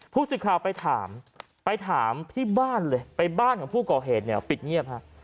ผู้สื่อข่าวไปถามไปถามที่บ้านเลยไปบ้านของผู้ก่อเหตุเนี่ยปิดเงียบฮะ